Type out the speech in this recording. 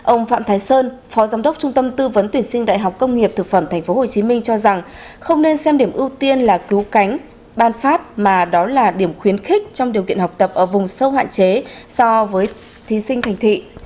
ông phạm thái sơn phó giám đốc trung tâm tư vấn tuyển sinh đại học công nghiệp thực phẩm tp hcm cho rằng không nên xem điểm ưu tiên là cứu cánh ban phát mà đó là điểm khuyến khích trong điều kiện học tập ở vùng sâu hạn chế so với thí sinh thành thị